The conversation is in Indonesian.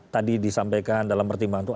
tadi disampaikan dalam pertimbangan itu